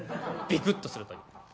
ビクッとするという。